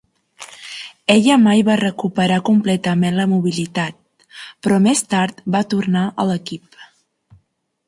Ella mai va recuperar completament la mobilitat però més tard va tornar a l'equip.